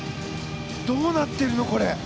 どうなってるの、これ。